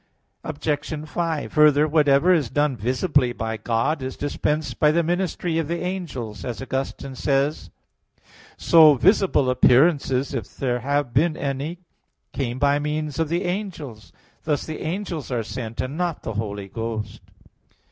Obj. 5: Further, whatever is done visibly by God is dispensed by the ministry of the angels; as Augustine says (De Trin. iii, 4,5,9). So visible appearances, if there have been any, came by means of the angels. Thus the angels are sent, and not the Holy Ghost.